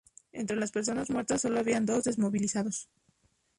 Entre las personas muertas solo había dos desmovilizados.